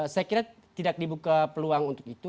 saya kira tidak dibuka peluang untuk itu